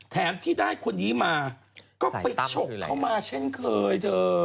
แถมที่ได้คนนี้มาก็ไปฉกเข้ามาเช่นเคยเธอ